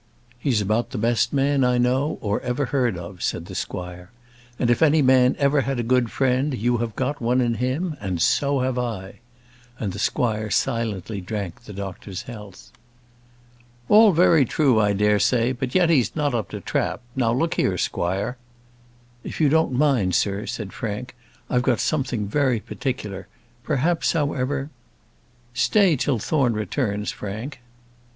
"He's about the best man I know, or ever heard of," said the squire. "And if any man ever had a good friend, you have got one in him; and so have I:" and the squire silently drank the doctor's health. "All very true, I dare say; but yet he's not up to trap. Now look here, squire " "If you don't mind, sir," said Frank, "I've got something very particular perhaps, however " "Stay till Thorne returns, Frank."